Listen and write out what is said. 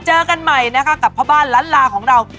เจอกันใหม่นะคะกับพ่อบ้านล้านลาของเรา